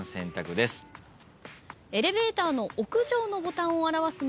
エレベーターの。